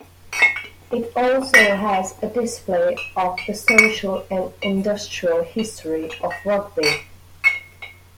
It also has a display of the social and industrial history of Rugby.